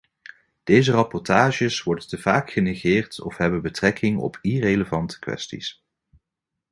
Deze rapportages worden te vaak genegeerd of hebben betrekking op irrelevante kwesties.